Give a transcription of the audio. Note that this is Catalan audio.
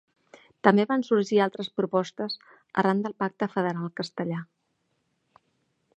També van sorgir altres propostes, arran del Pacte Federal Castellà.